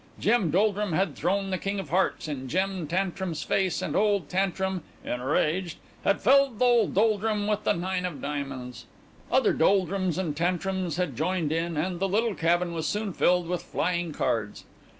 Jem Doldrum had thrown the king of hearts in Jem Tantrum's face, and old Tantrum, enraged, had felled the old Doldrum with the nine of diamonds. Other Doldrums and Tantrums had joined in and the little cabin was soon filled with flying cards.